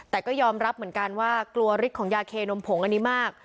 แต่ก็ยอมรับเหมือนกันว่ากลัวฤทธิ์ของยาเคนมผงอันนี้มาก